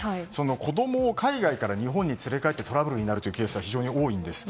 子供を海外から日本に連れ帰ってトラブルになるケースが非常に多いんです。